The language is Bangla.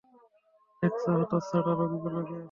দেখো হতচ্ছাড়া রোগীগুলোকে!